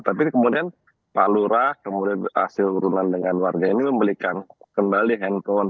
tapi kemudian pak lurah kemudian hasil urunan dengan warga ini membelikan kembali handphone